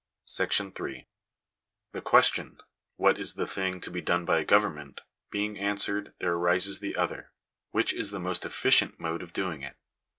§8. The question — What is the thing to be done by a govern ment ? being answered, there arises the other — Which is the most efficient mode of doing it